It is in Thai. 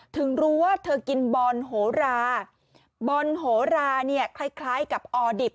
ถึงรู้ว่าเธอกินบอลโหราบอลโหราเนี่ยคล้ายกับออดิบ